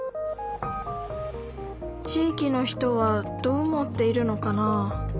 ちいきの人はどう思っているのかな？